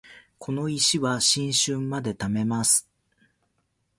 この石は新春まで貯めます